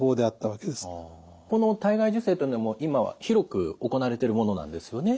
この体外受精というのも今は広く行われてるものなんですよね？